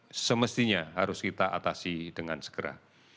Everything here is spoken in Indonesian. ini adalah hal yang semestinya harus kita atasi dengan segera